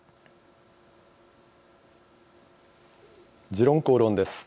「時論公論」です。